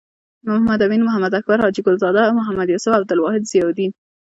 محمد امین.محمد اکبر.حاجی ګل زاده. محمد یوسف.عبدالواحد.ضیاالدین